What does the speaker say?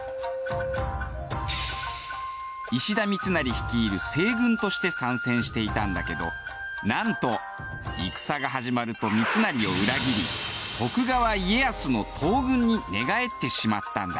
石田三成率いる西軍として参戦していたんだけどなんと戦が始まると三成を裏切り徳川家康の東軍に寝返ってしまったんだ。